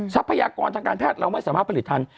ทรัพยากรทางการแพทย์เราไม่สามารถผลิตทัน